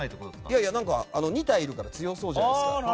いやいや、２体いるから強そうじゃないですか。